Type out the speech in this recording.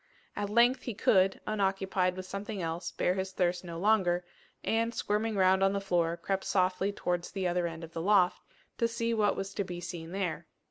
At length he could, unoccupied with something else, bear his thirst no longer, and, squirming round on the floor, crept softly towards the other end of the loft, to see what was to be seen there.